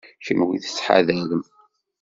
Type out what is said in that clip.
Kenwi tettḥadarem.